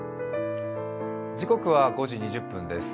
時刻は５時２０分です。